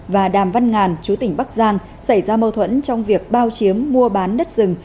và đàm văn ngàn chú tỉnh bắc giang xảy ra mâu thuẫn trong việc bao chiếm mua bán đất rừng